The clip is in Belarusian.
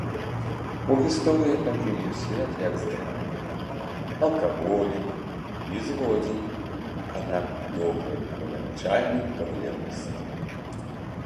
У гісторыі пакінуў след як здраднік, алкаголік і злодзей, аднак добры военачальнік-кавалерыст.